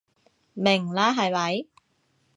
明啦係咪？